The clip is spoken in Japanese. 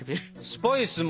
スパイスも。